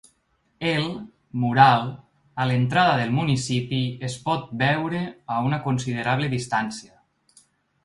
El, mural, a l’entrada del municipi es pot veure a una considerable distància.